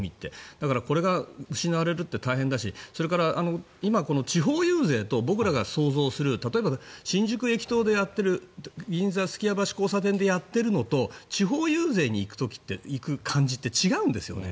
だからこれが失われるって大変だしそれから今、地方遊説と僕らが想像する例えば、新宿駅頭でやっている銀座・数寄屋橋交差点でやっているのと地方遊説に行く感じって違うんですよね。